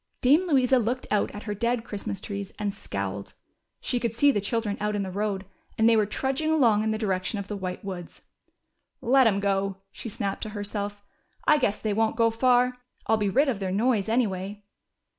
Dame Louisa looked out at her dead Christmas trees, and scowled. She could see the children out in the road, and they were trudging along in the direction of the White Woods. ^^Let 'em go," she snapped to her self. guess they won't go far. I'll be rid of their noise, anyway."